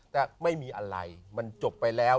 แต่ไม่มีอะไรมันจบไปแล้ว